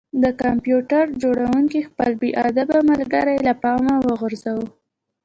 د کمپیوټر جوړونکي خپل بې ادبه ملګری له پامه وغورځاوه